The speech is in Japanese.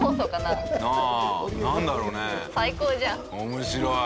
面白い！